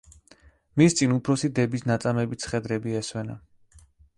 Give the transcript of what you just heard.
მის წინ უფროსი დების ნაწამები ცხედრები ესვენა.